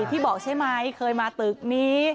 ที่บอกใช่ไหมเคยมาตึกนี้